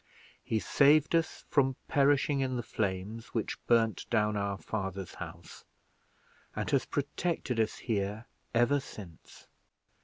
He saved us from perishing in the flames which burned down our father's house, and has protected us here ever since.